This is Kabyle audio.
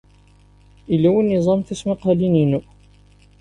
Yella win yeẓran tismaqqalin-inu?